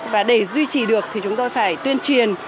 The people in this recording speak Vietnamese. và để duy trì được thì chúng tôi phải tuyên truyền